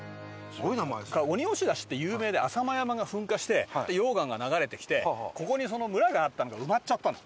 鬼押出しって有名で浅間山が噴火して溶岩が流れてきてここに村があったのが埋まっちゃったんです。